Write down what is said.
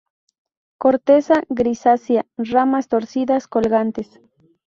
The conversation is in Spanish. Corteza grisácea; ramas torcidas, colgantes.